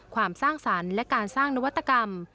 สร้างสรรค์และการสร้างนวัตกรรม